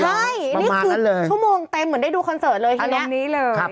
ใช่นี่คือชั่วโมงเต็มเหมือนได้ดูคอนเสิร์ตเลยทีนี้เลย